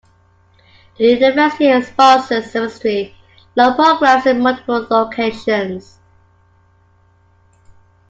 The University sponsors semester-long programs in multiple locations.